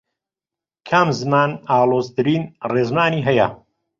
کام زمان ئاڵۆزترین ڕێزمانی هەیە؟